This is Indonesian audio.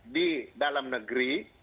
di dalam negeri